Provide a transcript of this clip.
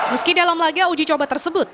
meski dalam laga uji coba tersebut